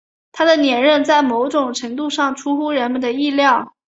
他的连任在某种程度上出乎人们的意料。